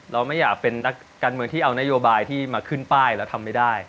เราไม่อยากเป็นนักการเมืองที่เอานโยบายที่มาขึ้นป้ายแล้วทำไม่ได้